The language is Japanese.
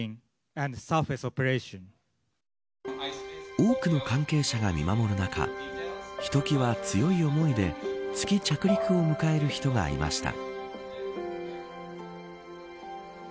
多くの関係者が見守る中ひときわ強い思いで月着陸を迎える人がいました。